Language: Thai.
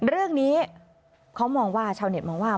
เรื่องนี้เขามองว่าชาวเน็ตมองว่า